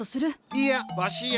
いやわしや。